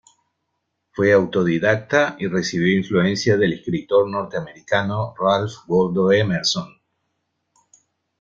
Fue autodidacta y recibió influencia del escritor norteamericano Ralph Waldo Emerson.